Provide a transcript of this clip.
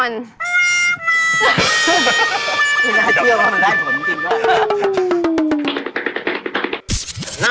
นี่ละเจี๊ยวมันได้ถูกเหมือนกี้เข้า